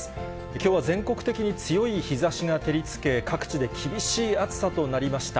きょうは全国的に強い日ざしが照りつけ、各地で厳しい暑さとなりました。